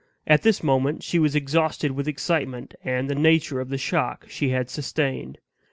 At this moment she was exhausted with excitement, and the nature of the shock she had sustained.